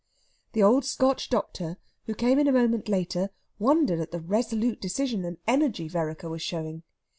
The old Scotch doctor, who came in a moment later, wondered at the resolute decision and energy Vereker was showing.